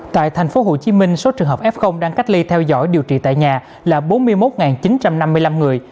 tại thành phố hồ chí minh số trường hợp f đang cách ly theo dõi điều trị tại nhà là bốn mươi một chín trăm năm mươi năm người